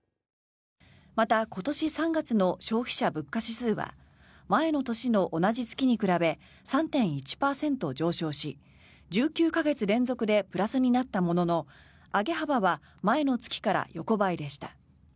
また今年３月の消費者物価指数は前の年の同じ月に比べ３．１％上昇し１９か月連続でプラスになったものの上げ幅は前の月から横ばいでした。